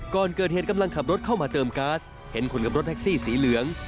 ก่อนเกิดเหตุกำลังขับรถเข้ามาเติมก๊าซเห็นคนกับรถแท็กซี่สีเหลือง